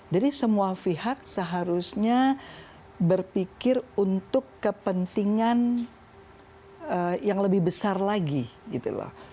jadi semua pihak seharusnya berpikir untuk kepentingan yang lebih besar lagi gitu loh